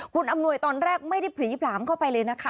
คุณอำนวยตอนแรกไม่ได้ผลีผลามเข้าไปเลยนะคะ